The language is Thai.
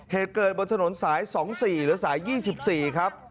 เหตุเกิดบนถนนสาย๒๔หรือสาย๒๔ครับ